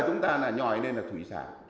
chúng ta là nhòi nên là thủy sản